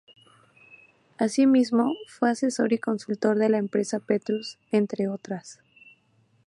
Asimismo, fue asesor y consultor de la empresa Petrus, entre otras.